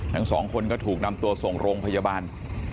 ทั้งสองคนก็ถูกนำตัวส่งโรงพยาบาล